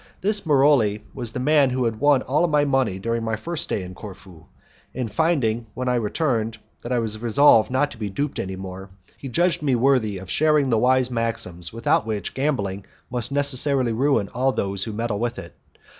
This Maroli was the man who had won all my money during my first stay in Corfu, and finding, when I returned, that I was resolved not to be duped any more, he judged me worthy of sharing the wise maxims without which gambling must necessarily ruin all those who meddle with it.